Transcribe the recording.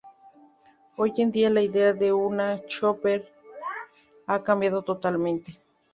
Hoy en día la idea de una "Chopper" ha cambiado totalmente.